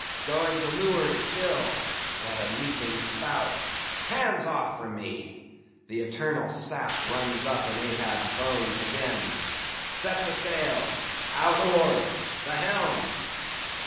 going to leeward still; what a leaping spout!—Hands off from me! The eternal sap runs up in Ahab's bones again! Set the sail; out oars; the helm!"